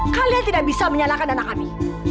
kalian tidak bisa menyalahkan anak kami